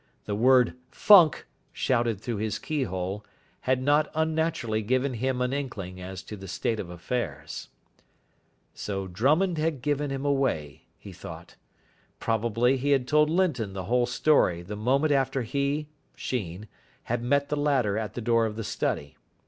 The word "Funk!" shouted through his keyhole, had not unnaturally given him an inkling as to the state of affairs. So Drummond had given him away, he thought. Probably he had told Linton the whole story the moment after he, Sheen, had met the latter at the door of the study.